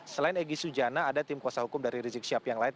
selain egy sujana ada tim kuasa hukum dari rizik sihab yang lain